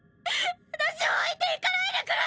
私を置いて逝かないでくれ！